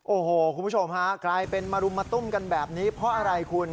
โอ้โหคุณผู้ชมฮะกลายเป็นมารุมมาตุ้มกันแบบนี้เพราะอะไรคุณ